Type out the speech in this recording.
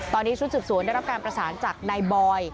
ตอนนี้ชุดสืบสวนได้รับการประสานจากนายบอย